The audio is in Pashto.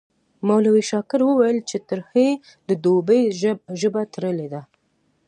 مولوي شاکر وویل چې ترهې د دوی ژبه تړلې ده.